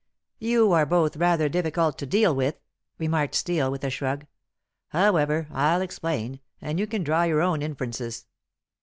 "You are both rather difficult to deal with," remarked Steel, with a shrug. "However, I'll explain, and you can draw your own inferences.